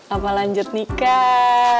apa lanjut nikah